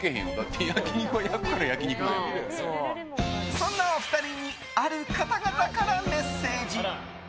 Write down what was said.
そんなお二人にある方々からメッセージ。